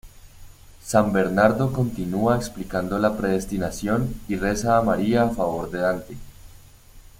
San Bernardo continua explicando la predestinación, y reza a María a favor de Dante.